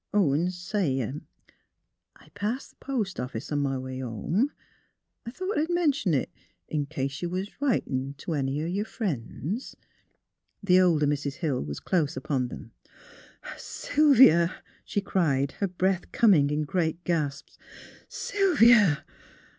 ... 'N' say, I pass th' i^ost office on m' way home. I thought I'd mention it, in case you was writin' t' any o' your frien's " The older Mrs. Hill was close upon them. '' Sylvia! " she cried, her breath coming in great gasps. " Sylvia!